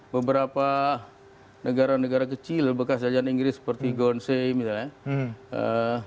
beberapa negara negara kecil bekas sajaan inggris seperti gonsei misalnya